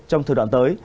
trong thời đoạn tới